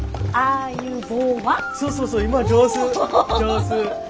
そうそうそう今上手上手。